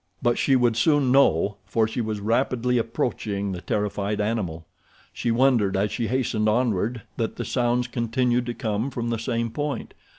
But she would soon know, for she was rapidly approaching the terrified animal. She wondered as she hastened onward that the sounds continued to come from the same point.